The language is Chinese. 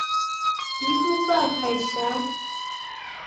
一度半海峡。